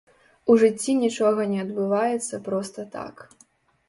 У жыцці нічога не адбываецца проста так.